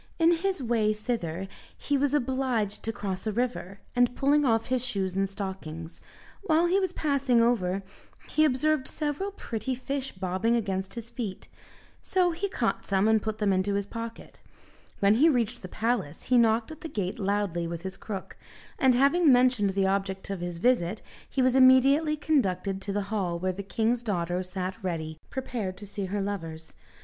In his way thither, he was obliged to cross a river, and pulling off his shoes and stockings, while he was passing over he observed several pretty fish bobbing against his feet; so he caught some and put them into his pocket. When he reached the palace he knocked at the gate loudly with his crook, and having mentioned the object of his visit, he was immediately conducted to the hall where the king's daughter sat ready prepared to see her lovers.